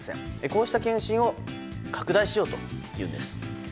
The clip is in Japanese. こうした検診を拡大しようというんです。